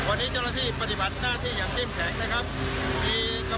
วันนี้เจ้าหน้าที่ปฏิบัติหน้าที่อย่างเข้มแข็งนะครับ